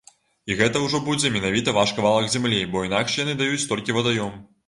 І гэта ўжо будзе менавіта ваш кавалак зямлі, бо інакш яны даюць толькі вадаём.